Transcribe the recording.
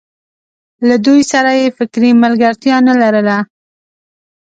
له دوی سره یې فکري ملګرتیا نه لرله.